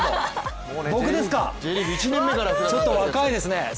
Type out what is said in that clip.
僕ですか、ちょっと若いですね。